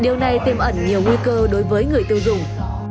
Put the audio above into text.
điều này tiêm ẩn nhiều nguy cơ đối với người tiêu dùng